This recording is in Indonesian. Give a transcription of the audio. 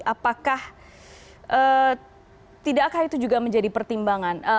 apakah tidakkah itu juga menjadi pertimbangan